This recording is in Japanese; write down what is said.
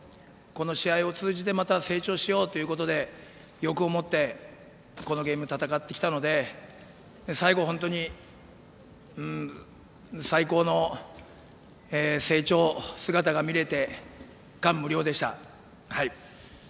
この試合を通じてまた成長しようということで欲を持ってこのゲーム、戦ってきたので最後、本当に最高の成長の姿が見れて感無量でした。